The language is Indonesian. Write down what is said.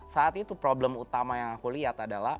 saat itu problem utama yang aku lihat adalah